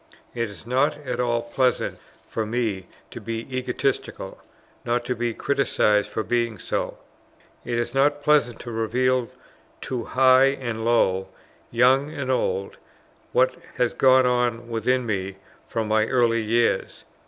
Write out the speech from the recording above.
It is not at all pleasant for me to be egotistical; nor to be criticized for being so. It is not pleasant to reveal to high and low, young and old, what has gone on within me from my early years.